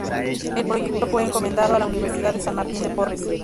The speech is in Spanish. El proyecto fue encomendado a la Universidad de San Martín de Porres.